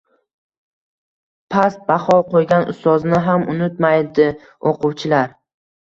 Past baxo qoʻygan ustozini ham unitmaydi oʻquvchilar.